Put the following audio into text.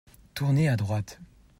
Tournez à droite.